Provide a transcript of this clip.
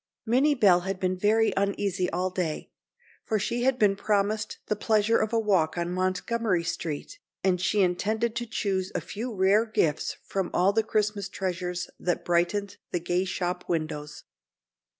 Minnie Bell had been very uneasy all day, for she had been promised the pleasure of a walk on Montgomery Street, and she intended to choose a few rare gifts from all the Christmas treasures that brightened the gay shop windows.